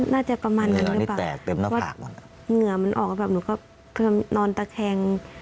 น่าจะประมาณนั้นหรือเปล่าว่าเหงื่อมันออกแล้วแบบหนูก็คือนอนตะแคง